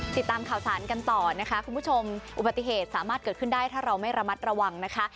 ติดตามข่าวสารกันต่อนะคะคุณผู้ชมอุบัติเหตุสามารถเกิดขึ้นได้ถ้าเราไม่ระมัดระวังนะคะ